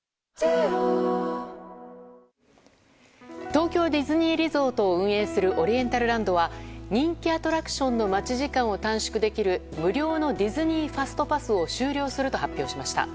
東京ディズニーリゾートを運営するオリエンタルランドは人気アトラクションの待ち時間を短縮できる、無料のディズニー・ファストパスを終了すると発表しました。